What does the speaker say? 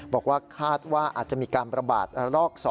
บอกว่าคาดว่าอาจจะมีการประบาดระลอก๒